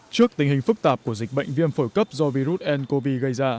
trước tình hình phức tạp của dịch bệnh viêm phổi cấp do virus ncov gây ra